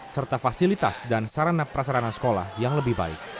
serta fasilitas dan sarana prasarana sekolah yang lebih baik